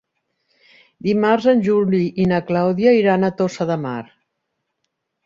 Dimarts en Juli i na Clàudia iran a Tossa de Mar.